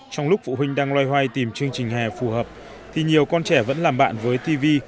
trong lúc phụ huynh đang loay hoay tìm chương trình hè phù hợp thì nhiều con trẻ vẫn làm bạn với tv